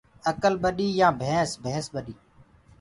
اڪل ٻڏي يآن ڀينس ڀينس ٻڏي